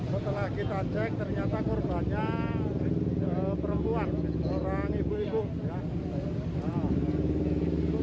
setelah kita cek ternyata korbannya perempuan orang ibu ibu